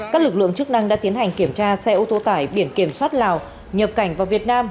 các lực lượng chức năng đã tiến hành kiểm tra xe ô tô tải biển kiểm soát lào nhập cảnh vào việt nam